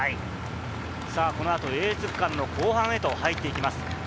この後、エース区間の後半へと入っていきます。